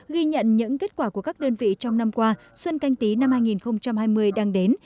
ghi nhận những kết quả của các đơn vị trong năm qua xuân canh tí năm hai nghìn hai mươi đang đến